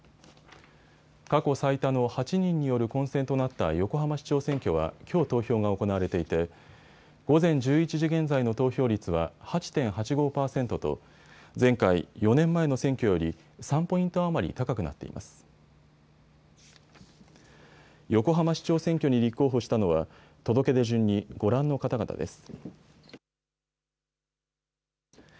過去最多の８人による混戦となった横浜市長選挙は、きょう投票が行われていて午前１１時現在の投票率は８．８５％と前回４年前の選挙より３ポイント余り高くなっています。